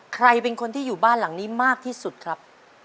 ใครเป็นคนที่อยู่บ้านหลังนี้มากที่สุดครับ